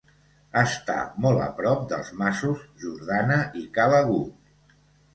Està molt a prop dels masos Jordana i Ca l'Agut.